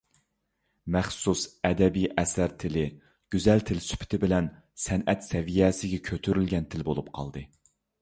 مەخسۇس ئەدەبىي ئەسەر تىلى گۈزەل تىل سۈپىتى بىلەن سەنئەت سەۋىيىسىگە كۆتۈرۈلگەن تىل بولۇپ قالدى.